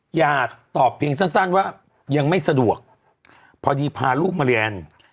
อย่าตอบเพียงสั้นว่ายังไม่สะดวกพอดีพาลูกมาเรียน